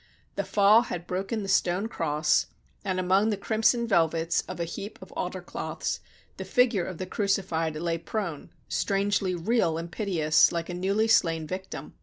The fall had broken the stone cross, and, among the crimson velvets of a heap of altar cloths, the Figure of the Crucified lay prone, strangely real and piteous like a newly slain vic tim.